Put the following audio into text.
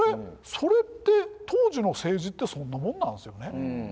それって当時の政治ってそんなもんなんですよね。